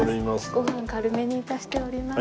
ご飯軽めに致しております。